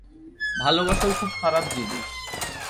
ভালোবাসাও খুব খারাপ জিনিস।